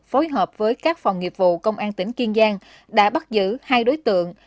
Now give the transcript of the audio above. phối hợp với các phòng nghiệp vụ công an tỉnh kiên giang đã bắt giữ hai đối tượng